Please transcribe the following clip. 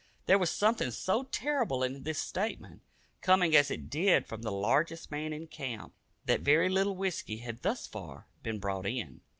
There was something so terrible in this statement, coming as it did from the largest man in camp, that very little whisky had thus far been brought in.